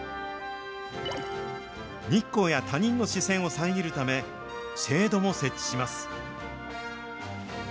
日光や他人の視線を遮るため、シェードも設置します。